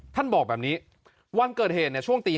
ท่านบอกแบบนี้วันเกิดเหตุช่วงตี๕